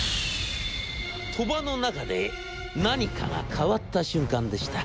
鳥羽の中で何かが変わった瞬間でした。